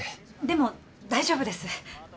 でも大丈夫です。